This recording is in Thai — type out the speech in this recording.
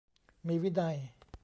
มีวินัย